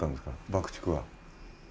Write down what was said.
爆竹は。